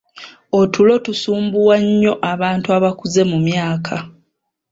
Otulo tusumbuwa nnyo abantu abakuze mu myaka.